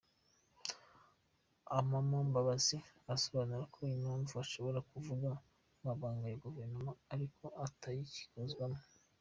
Amama Mbabazi asobanura ko impamvu ashobora kuvuga amabanga ya guverinoma ari uko atakiyibarizwamo.